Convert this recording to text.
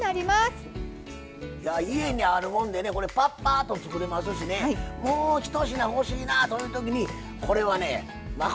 家にあるもんでねこれパッパと作れますしねもう一品欲しいなという時にこれはね誠にありがたいと思いますよ